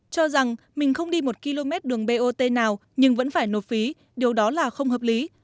cho rằng mình không đi một km đường bot nào nhưng vẫn phải nộp phí điều đó là không hợp lý